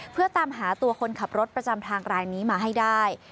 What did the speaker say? เพื่อตามหาตัวคนขับรถประจำทางรายนี้มาให้ได้